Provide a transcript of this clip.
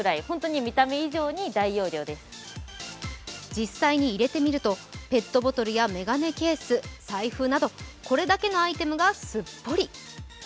実際に入れてみるとペットボトルや眼鏡ケース財布などこれだけのアイテムがすっぽり。